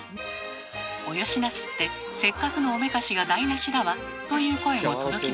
「およしなすってせっかくのおめかしが台なしだわ」という声も届きません。